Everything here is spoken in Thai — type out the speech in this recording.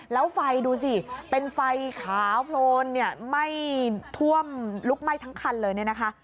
แล้วไฟดูสิเป็นไฟขาวโพลนเนี่ยไหม้ท่วมลุกไหม้ทั้งคันเลยเนี่ยนะคะ